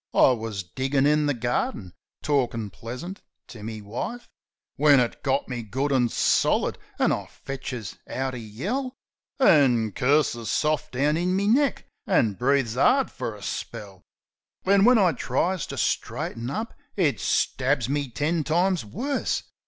I wus diggin' in the garden, talkin' pleasant to me wife, When it got me good an' solid, an' I fetches out a yell, An' curses soft down in me neck, an' breathes 'ard fer a spell. Then, when I tries to straighten up, it stabs me ten times worse.